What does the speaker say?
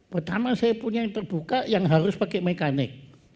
pertama saya punya yang terbuka yang harus pakai mekanik